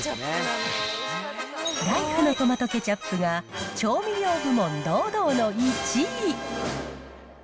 ライフのトマトケチャップが調味料部門堂々の１位。